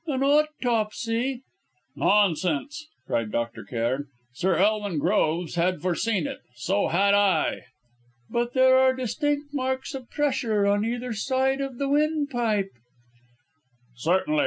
"An autopsy " "Nonsense!" cried Dr. Cairn. "Sir Elwin Groves had foreseen it so had I!" "But there are distinct marks of pressure on either side of the windpipe " "Certainly.